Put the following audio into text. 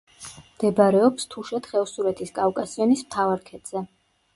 მდებარეობს თუშეთ-ხევსურეთის კავკასიონის მთავარ ქედზე.